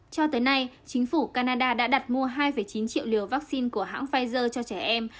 cho tới nay chính phủ canada đã đặt mua hai chín triệu liều vaccine của hãng pfizer cho trẻ em